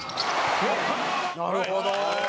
なるほど！